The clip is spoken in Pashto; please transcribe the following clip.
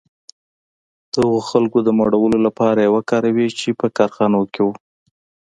د هغو خلکو د مړولو لپاره یې وکاروي چې په کارخانو کې وو